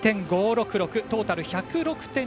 トータル１０６．２３０。